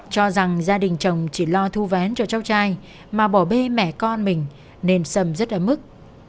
cho rằng gia đình chồng chỉ lo thu ván cho cháu trai mà bỏ bê mẹ con mình nên sâm rất ấm ức